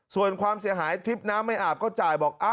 ส่วนความเสียหายทริปน้ำไม่อาบก็จ่ายบอก